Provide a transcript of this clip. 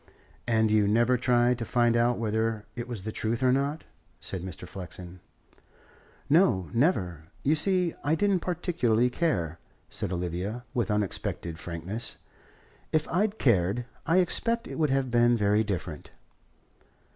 "And you never tried to find out whether it was the truth or not?" said Mr. Flexen. "No, never. You see, I didn't particularly care," said Olivia, with unexpected frankness. "If I'd cared, I expect it would have been very different."